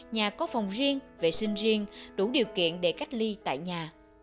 nhà có phòng riêng vệ sinh riêng đủ điều kiện để cách ly tại nhà